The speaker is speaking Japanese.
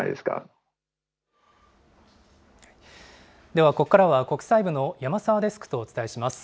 ではここからは、国際部の山澤デスクとお伝えします。